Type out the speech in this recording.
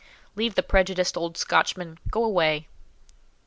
"Leave the prejudiced old Scotchman; go away."